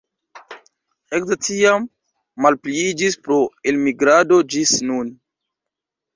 Ekde tiam malpliiĝis pro elmigrado ĝis nun.